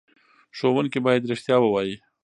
ښوونکي باید رښتیا ووايي.